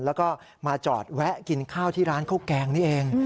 แล้วก็มาจอดแวะกินข้าวที่ร้านข้าวแกงนี่เอง